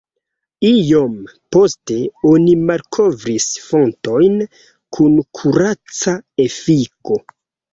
Iom poste oni malkovris fontojn kun kuraca efiko.